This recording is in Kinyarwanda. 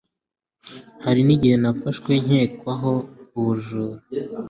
hari n igihe nafashwe nkekwaho ubujura